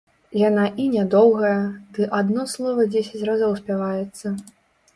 Яна і нядоўгая, ды адно слова дзесяць разоў спяваецца.